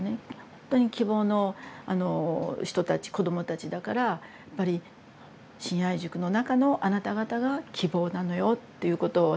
ほんとに希望の人たち子どもたちだからやっぱり信愛塾の中のあなた方が希望なのよっていうことを。